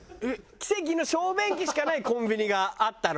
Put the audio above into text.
奇跡の小便器しかないコンビニがあったの。